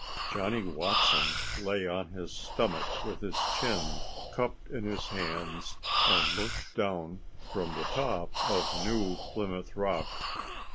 Johnny Watson lay on his stomach with his chin cupped in his hands and looked down from the top of New Plymouth Rock.